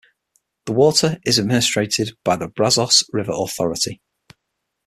The water is administered by the Brazos River Authority.